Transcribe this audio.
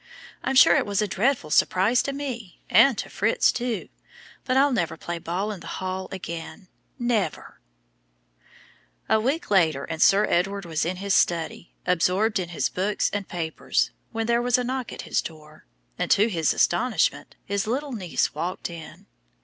I'm sure it was a dreadful surprise to me, and to Fritz, too; but I'll never play ball in the hall again, never!" A week later, and Sir Edward was in his study, absorbed in his books and papers, when there was a knock at his door, and, to his astonishment, his little niece walked in.